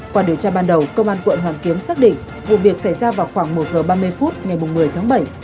qua điều tra ban đầu công an quận hoàn kiếm xác định vụ việc xảy ra vào khoảng một giờ ba mươi phút ngày một mươi tháng bảy